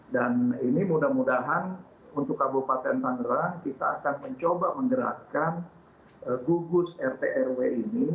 dan ini mudah mudahan untuk kabupaten tangerang kita akan mencoba mengeratkan gugus rtrw ini